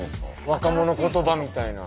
若者言葉みたいな。